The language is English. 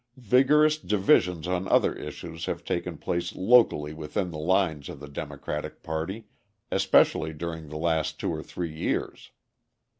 Vigorous divisions on other issues have taken place locally within the lines of the Democratic party, especially during the last two or three years.